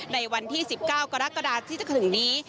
ในวันที่๑๙กรกฎาที่จะถึงนี้